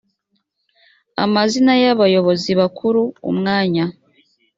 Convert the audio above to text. amazina y abayobozi bakuru umwanya